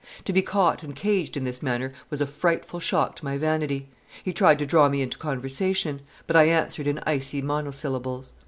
To be caught and caged in this manner was a frightful shock to my vanity. He tried to draw me into conversation; but I answered in icy monosyllables.